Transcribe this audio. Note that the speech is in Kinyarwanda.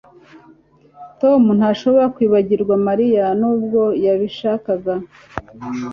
Tom ntashobora kwibagirwa Mariya nubwo yabishaka